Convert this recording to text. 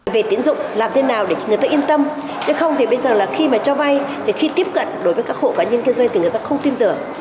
về tiến dụng làm thế nào để người ta yên tâm chứ không thì bây giờ là khi mà cho vay thì khi tiếp cận đối với các hộ cá nhân kinh doanh thì người ta không tin tưởng